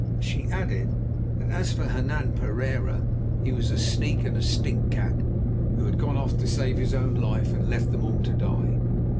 She added that, as for Hernan Pereira, he was a "sneak and a stinkcat," who had gone off to save his own life, and left them all to die.